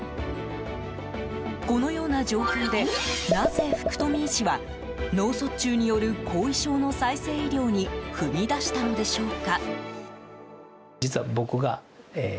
このような状況でなぜ福富医師は脳卒中による後遺症の再生医療に踏み出したのでしょうか。